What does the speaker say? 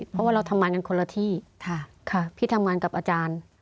เพราะว่าเราทำงานกันคนละที่พี่ทำงานกับอาจารย์